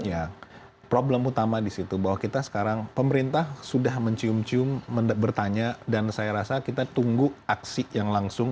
ya problem utama disitu bahwa kita sekarang pemerintah sudah mencium cium bertanya dan saya rasa kita tunggu aksi yang langsung